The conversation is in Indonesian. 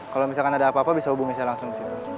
kalau misalkan ada apa apa bisa hubungi saya langsung ke situ